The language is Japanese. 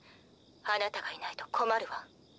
あなたがいないと困るわ。